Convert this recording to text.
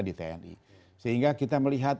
di tni sehingga kita melihat